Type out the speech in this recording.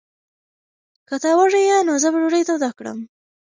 که ته وږی یې، نو زه به ډوډۍ توده کړم.